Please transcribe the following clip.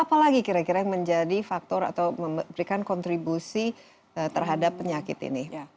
apalagi kira kira yang menjadi faktor atau memberikan kontribusi terhadap penyakit ini